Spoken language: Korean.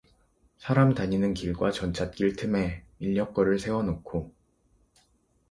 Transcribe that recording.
사람 다니는 길과 전찻길 틈에 인력거를 세워 놓고